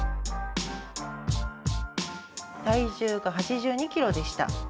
体重が８２ｋｇでした。